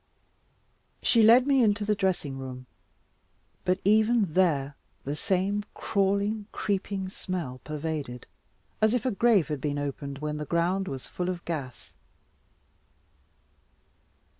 She led me into the dressing room; but even there the same crawling creeping smell pervaded, as if a grave had been opened, when the ground was full of gas.